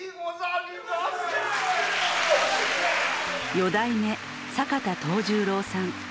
四代目坂田藤十郎さん。